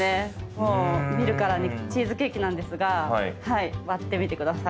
もう見るからにチーズケーキなんですが割ってみてください。